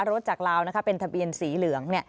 จากลาวเป็นทะเบียนสีเหลือง